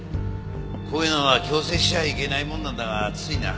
こういうのは強制しちゃいけないもんなんだがついな。